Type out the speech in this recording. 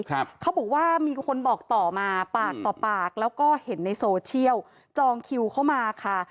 เขาบอกว่ามีคนบอกต่อมาปากต่อปากแล้วก็เห็นในโซเชียลจองคิวเข้ามาค่ะ